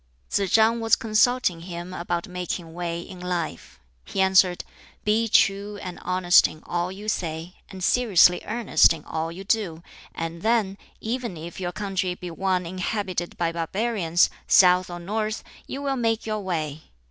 Tsz chang was consulting him about making way in life. He answered, "Be true and honest in all you say, and seriously earnest in all you do, and then, even if your country be one inhabited by barbarians, South or North, you will make your way.